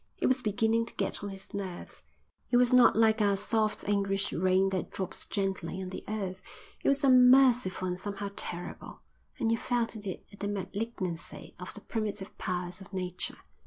It was beginning to get on his nerves. It was not like our soft English rain that drops gently on the earth; it was unmerciful and somehow terrible; you felt in it the malignancy of the primitive powers of nature.